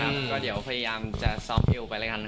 อื่นเนี่ยปีย่ามจะเชาไปแล้วกันข้อ